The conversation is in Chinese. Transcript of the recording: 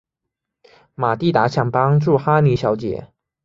玛蒂达想帮助哈妮小姐。